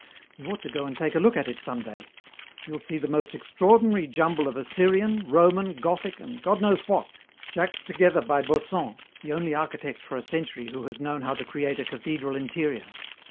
You ought to go and take a look at it some day. You will see the most extraordinary jumble of Assyrian, Roman, Gothic, and God knows what, jacked together by Bossan, the only architect for a century who has known how to create a cathedral interior.